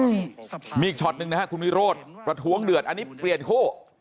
อืมมีอีกช็อตหนึ่งนะฮะคุณวิโรธประท้วงเดือดอันนี้เปลี่ยนคู่